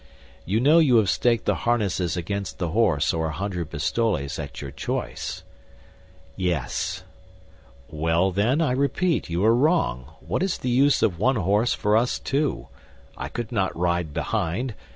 You know you have staked the harnesses against the horse or a hundred pistoles, at your choice." "Yes." "Well, then, I repeat, you are wrong. What is the use of one horse for us two? I could not ride behind.